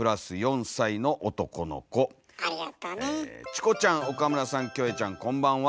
「チコちゃん岡村さんキョエちゃんこんばんは」。